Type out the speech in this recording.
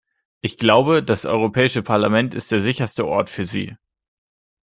Ich glaube, das Europäische Parlament ist der sicherste Ort für Sie.